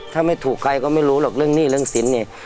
ถ้าไม่ถูกใครก็ไม่รู้หรอกเรื่องหนี้เรื่องสินเนี่ย